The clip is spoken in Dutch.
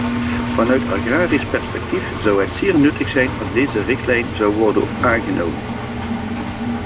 Vanuit agrarisch perspectief zou het zeer nuttig zijn als deze richtlijn zou worden aangenomen.